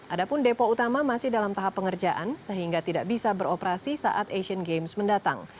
adapun depo utama masih dalam tahap pengerjaan sehingga tidak bisa beroperasi saat asian games mendatang